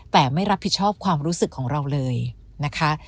แต่ไม่รับผิดชอบความรู้สึกของเราเลยนะคะ